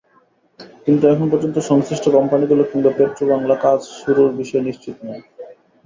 কিন্তু এখন পর্যন্ত সংশ্লিষ্ট কোম্পানিগুলো কিংবা পেট্রোবাংলা কাজ শুরুর বিষয়ে নিশ্চিত নয়।